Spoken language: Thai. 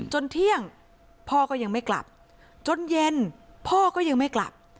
เที่ยงพ่อก็ยังไม่กลับจนเย็นพ่อก็ยังไม่กลับ